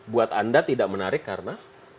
buat anda tidak menarik karena